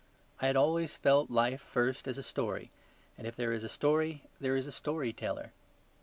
I had always felt life first as a story: and if there is a story there is a story teller.